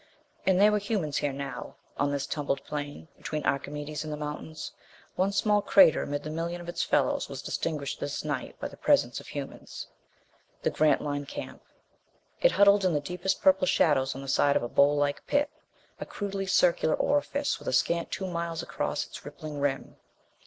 And there were humans here now. On this tumbled plain, between Archimedes and the mountains, one small crater amid the million of its fellows was distinguished this night by the presence of humans. The Grantline camp! It huddled in the deepest purple shadows on the side of a bowl like pit, a crudely circular orifice with a scant two miles across its rippling rim.